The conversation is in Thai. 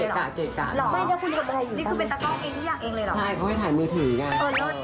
เก่งนอนั่นแบบเก่งพอสามารถรอบด้าน